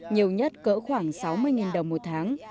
nhiều nhất cỡ khoảng sáu mươi đồng một tháng